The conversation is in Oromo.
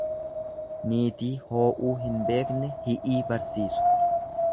Niitii hoo'uu hin beekne hi'ii barsiisu.